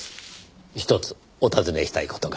ひとつお尋ねしたい事が。